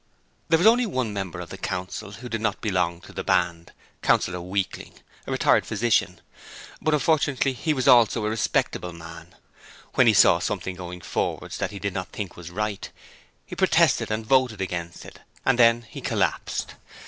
There was only one member of the Council who did not belong to the Band Councillor Weakling, a retired physician; but unfortunately he also was a respectable man. When he saw something going forwards that he did not think was right, he protested and voted against it and then he collapsed!